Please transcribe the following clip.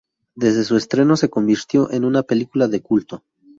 Desde su estreno se convirtió en una película de culto.